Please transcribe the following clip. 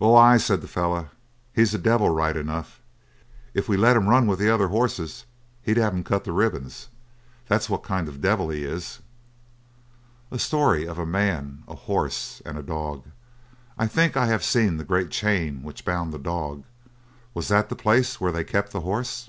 "'Oh, ay,' said the fellow, 'he's a devil, right enough. If we'd let him run with the other hosses he'd have cut 'em to ribbons. That's what kind of a devil he is!' "A story of a man, a horse, and a dog. I think I have seen the great chain which bound the dog. Was that the place where they kept the horse?